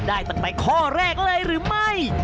ได้ตั้งแต่ข้อแรกเลยหรือไม่